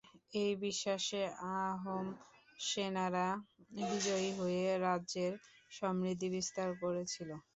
এই বিশ্বাসে আহোম সেনারা বিজয়ী হয়ে রাজ্যের সমৃদ্ধি বিস্তার করেছিল।